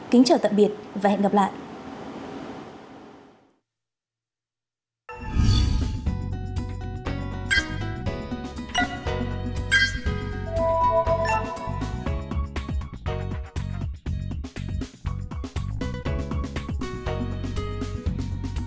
kính chào tạm biệt và hẹn gặp lại